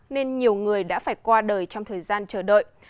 nên nhiều người đã phải qua đời trong thời gian chờ đợi